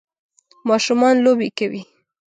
ماشومان لوبې کوي